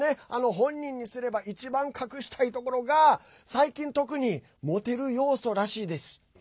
本人にすれば一番隠したいところが最近特にモテる要素らしいです。